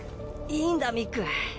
いいんだミック。